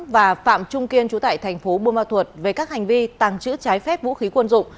và phạm trung kiên chú tại thành phố buôn ma thuột về các hành vi tàng trữ trái phép vũ khí quân dụng